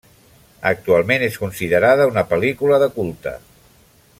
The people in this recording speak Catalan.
Actualment és considerada una pel·lícula de culte.